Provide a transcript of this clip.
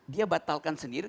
dia batalkan sendiri